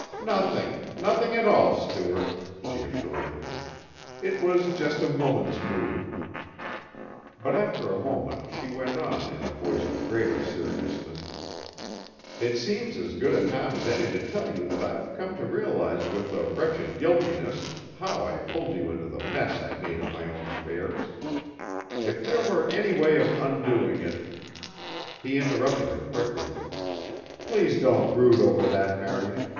"Nothing nothing at all, Stuart," she assured him. "It was just a woman's mood." But after a moment she went on in a voice of greater seriousness: "It seems as good a time as any to tell you that I've come to realize with a wretched guiltiness how I pulled you into the mess I made of my own affairs. If there were any way of undoing it " He interrupted her quickly, "Please don't brood over that, Marian.